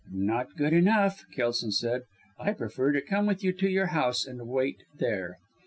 "Not good enough," Kelson said, "I prefer to come with you to your house and wait there."